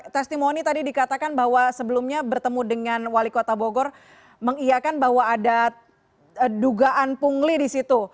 testimoni tadi dikatakan bahwa sebelumnya bertemu dengan wali kota bogor mengiakan bahwa ada dugaan pungli di situ